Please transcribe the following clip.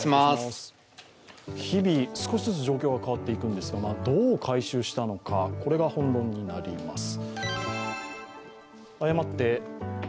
日々、少しずつ状況が変わっていくんですがどう回収したのか、これが本論になります。